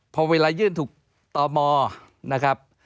พอเวลายื่นถูกต่อมอนะครับ